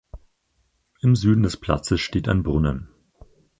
Im Süden des Platzes steht ein Brunnen.